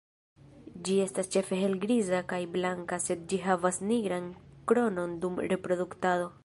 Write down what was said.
Ĝi estas ĉefe helgriza kaj blanka, sed ĝi havas nigran kronon dum reproduktado.